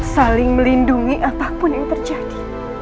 saling melindungi apapun yang terjadi